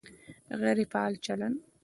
غیر فعال چلند